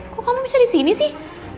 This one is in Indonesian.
kok kamu bisa disini sih